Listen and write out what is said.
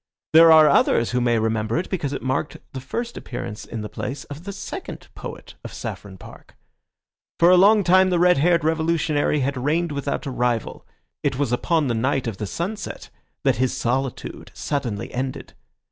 There are others who may remember it because it marked the first appearance in the place of the second poet of Saffron Park. For a long time the red haired revolutionary had reigned without a rival; it was upon the night of the sunset that his solitude suddenly ended.